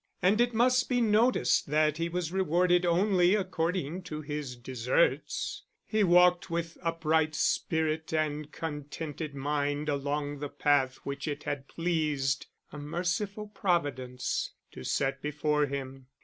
And it must be noticed that he was rewarded only according to his deserts. He walked with upright spirit and contented mind along the path which it had pleased a merciful Providence to set before him.